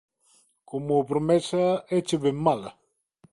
Como promesa, éche ben mala.